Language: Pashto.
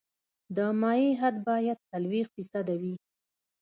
د مایع حد باید څلوېښت فیصده وي